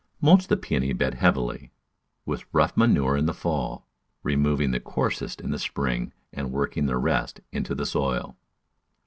Mulch the Peony bed heavily with rough manure in the fall, removing the coarsest in the spring and working the rest into the soil.